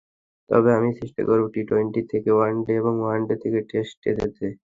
তবে আমি চেষ্টা করব টি-টোয়েন্টি থেকে ওয়ানডে এবং ওয়ানডে থেকে টেস্টে যেতে।